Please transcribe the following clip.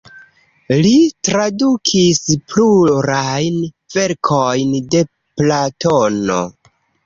Li tradukis plurajn verkojn de Platono.